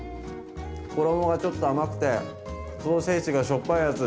衣がちょっと甘くてソーセージがしょっぱいやつ。